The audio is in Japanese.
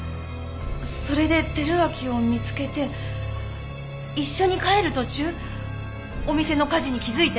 それで輝明を見つけて一緒に帰る途中お店の火事に気づいて。